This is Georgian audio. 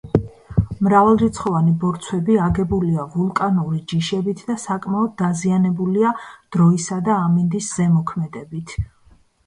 მრავალრიცხოვანი ბორცვები აგებულია ვულკანური ჯიშებით და საკმაოდ დაზიანებულია დროისა და ამინდის ზემოქმედებით.